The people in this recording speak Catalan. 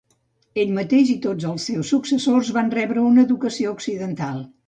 Ell mateix i tots els seus successors van rebre una educació occidental.